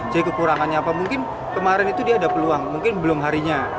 jadi kekurangannya apa mungkin kemarin itu dia ada peluang mungkin belum harinya